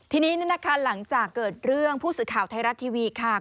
ทีนี้นะคะหลังจากเกิดเรื่องผู้สื่อข่าวไทยรัฐทีวีค่ะ